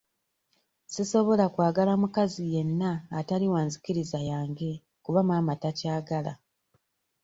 Sisobola kwagala mukazi yenna atali wa nzikiriza yange kuba maama takyagala.